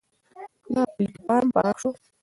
دا پلېټفارم پراخ شو.